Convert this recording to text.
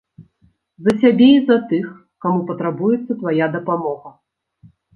За сябе і за тых, каму патрабуецца твая дапамога.